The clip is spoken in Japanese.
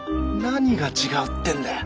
何が違うってんだよ？